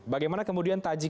bagaimana kemudian taji kpk